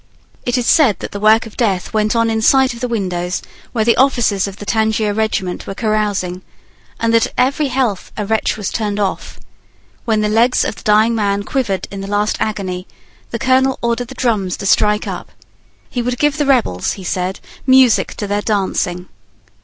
It is said that the work of death went on in sight of the windows where the officers of the Tangier regiment were carousing, and that at every health a wretch was turned off. When the legs of the dying man quivered in the last agony, the colonel ordered the drums to strike up. He would give the rebels, he said music to their dancing.